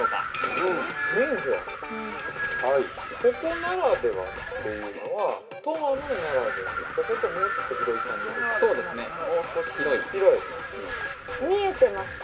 ◆ここならではというのはトマムならではですかそれとももうちょっと広い感じですか。